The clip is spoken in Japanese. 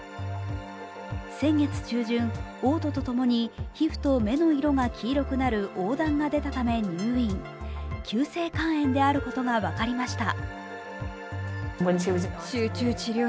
先月中旬、おう吐とともに皮膚と目の色が黄色くなる黄疸が出たため入院、急性肝炎であることが分かりました。